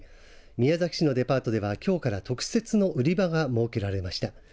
宮崎市のデパートではきょうから特設の売り場が設けられました。